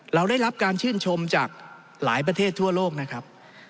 เราได้รับการชื่นชมจากหลายประเทศทั่วโลกนะครับ